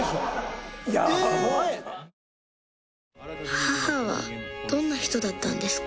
母はどんな人だったんですか？